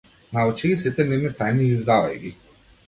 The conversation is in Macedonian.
Научи ги сите нивни тајни и издавај ги.